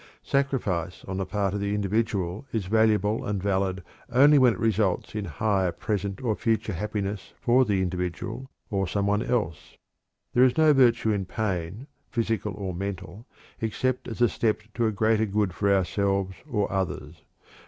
Sacrifice on the part of the individual is valuable and valid only when it results in higher present or future happiness for the individual or some one else. There is no virtue in pain, physical or mental, except as a step to a greater good for ourselves or others.